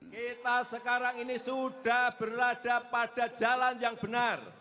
kita sekarang ini sudah berada pada jalan yang benar